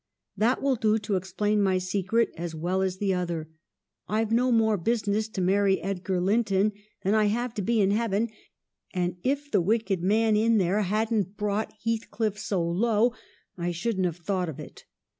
That will do to explain my secret as well as the other. I've no more business to marry Edgar Linton than I have to be in heaven ; and if the wicked man in there hadn't brought Heathcliff so low, I shouldn't have thought of it.